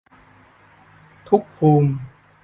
ทุกภูมิ